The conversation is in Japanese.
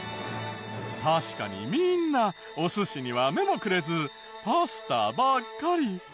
確かにみんなお寿司には目もくれずパスタばっかり。